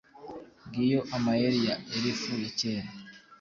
Ngiyo amayeri ya Elifu ya kera.